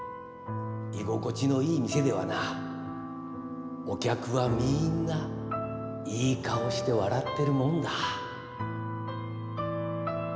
居心地のいい店ではなお客はみんないい顔して笑ってるもんだ。